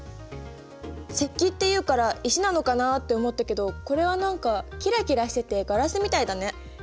石器っていうから石なのかなって思ったけどこれは何かキラキラしててガラスみたいだね。